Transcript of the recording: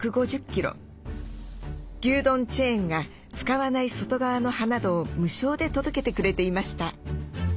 牛丼チェーンが使わない外側の葉などを無償で届けてくれていました。